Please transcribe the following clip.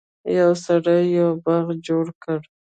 یو سړي یو باغ جوړ کړ.